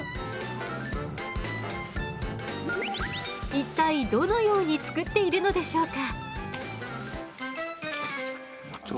一体どのように作っているのでしょうか？